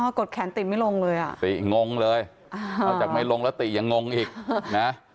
กดแขนติไม่ลงเลยอ่ะติงงเลยนอกจากไม่ลงแล้วติยังงงอีกนะ